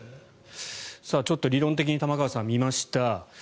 ちょっと理論的に玉川さん、見ました。